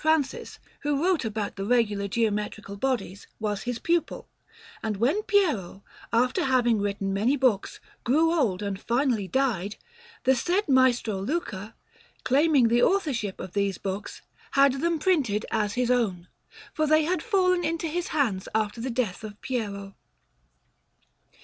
Francis, who wrote about the regular geometrical bodies, was his pupil; and when Piero, after having written many books, grew old and finally died, the said Maestro Luca, claiming the authorship of these books, had them printed as his own, for they had fallen into his hands after the death of Piero.